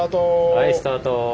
はいスタート。